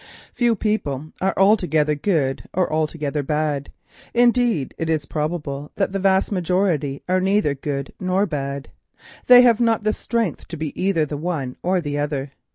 Few people are altogether good or altogether bad; indeed it is probable that the vast majority are neither good nor bad—they have not the strength to be the one or the other.